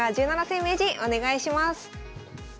世名人お願いします。